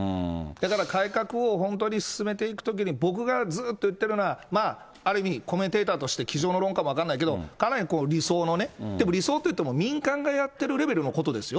だから改革を本当に進めていくときに、僕がずっと言っているのは、まあ、ある意味、コメンテーターとして机上の論かも分かんないけど、かなり理想のね、理想っていっても民間がやってるレベルのことですよ。